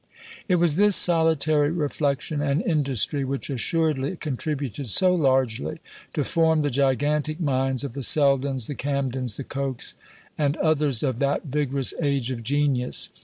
It was this solitary reflection and industry which assuredly contributed so largely to form the gigantic minds of the Seldens, the Camdens, the Cokes, and others of that vigorous age of genius.